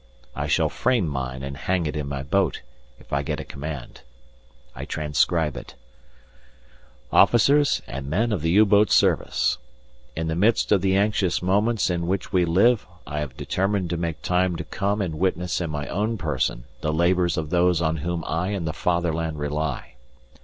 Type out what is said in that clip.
I shall frame mine and hang it in my boat, if I get a command. I transcribe it: "Officers and men of the U boat service: "In the midst of the anxious moments in which we live I have determined to make time to come and witness in my own person the labours of those on whom I and the Fatherland rely.